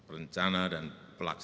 rencana dan antisipasi kita